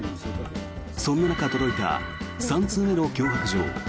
そんな中、届いた３通目の脅迫状。